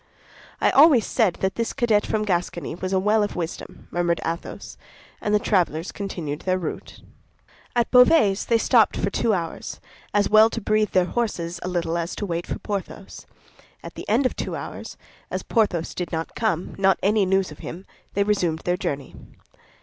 "I always said that this cadet from Gascony was a well of wisdom," murmured Athos; and the travelers continued their route. At Beauvais they stopped two hours, as well to breathe their horses a little as to wait for Porthos. At the end of two hours, as Porthos did not come, not any news of him, they resumed their journey.